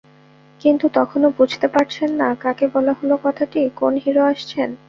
কিন্তু তখনো তিনি বুঝতে পারছেন না, কাকে বলা হলো কথাটি—কোন হিরো আসছেন।